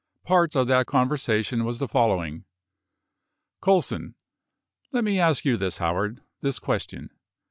Part of that conversation was the following exchange : C. Let me ask you this, Howard, this question.